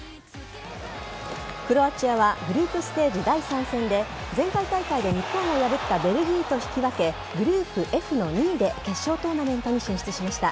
クロアチアはグループステージ第３戦で前回大会で日本を破ったベルギーと引き分けグループＦの２位で決勝トーナメントに進出しました。